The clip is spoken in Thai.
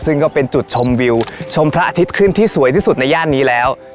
ซึ่งก็เป็นจุดชมวิวชมพระอาทิตย์ขึ้นที่สวยที่สุดในย่านนี้แล้ว